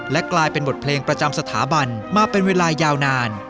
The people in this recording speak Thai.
กลายเป็นบทเพลงประจำสถาบันมาเป็นเวลายาวนาน